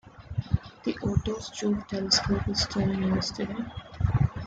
The Otto Struve telescope is still in use today.